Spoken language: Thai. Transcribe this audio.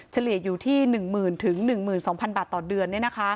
เฉลี่ยอยู่ที่๑๐๐๐๑๒๐๐บาทต่อเดือน